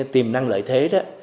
tìm năng lợi thế